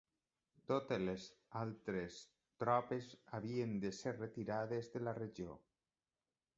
Totes les altres tropes havien de ser retirades de la regió.